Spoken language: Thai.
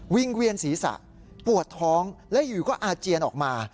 เวียนศีรษะปวดท้องและอยู่ก็อาเจียนออกมา